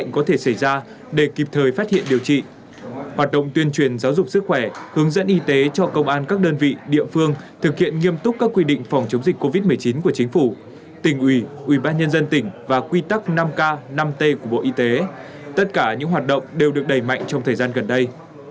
hoạt động tuyên truyền giáo dục sức khỏe hướng dẫn y tế cho công an các đơn vị địa phương thực hiện nghiêm túc các quy định phòng chống dịch covid một mươi chín của chính phủ tỉnh ủy ủy ban nhân dân tỉnh và quy tắc năm k năm t của bộ y tế tất cả những hoạt động đều được đẩy mạnh trong thời gian gần đây